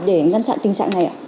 để ngăn chặn tình trạng này